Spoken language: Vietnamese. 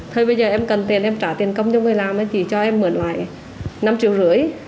thời bây giờ em cần tiền em trả tiền công cho người làm nên chị cho em mượn lại năm triệu rưỡi